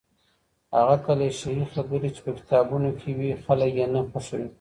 هغه کليشه يي خبرې چي په کتابونو کي وي خلګ يې نه خوښوي.